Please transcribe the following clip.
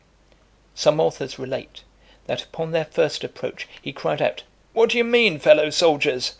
XX. Some authors relate, that upon their first approach he cried out, "What do you mean, fellow soldiers?